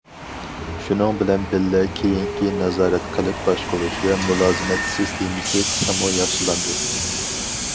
شۇنىڭ بىلەن بىللە، كېيىنكى نازارەت قىلىپ باشقۇرۇش ۋە مۇلازىمەت سىستېمىسى تېخىمۇ ياخشىلاندى.